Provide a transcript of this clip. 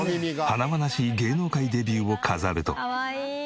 華々しい芸能界デビューを飾ると。